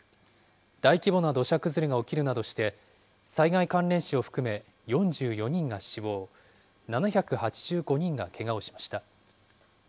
大規模な土砂崩れが起きるなどして、災害関連死を含め、４４人が死亡、７８５人がけがをしました。